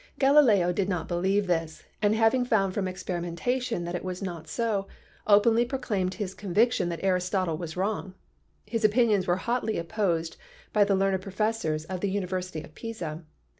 Galileo did not believe this, and having found from experimentation that it was not so, openly proclaimed his conviction that Aristotle was wrong. His opinions were hotly opposed by the learned professors of the University of Pisa.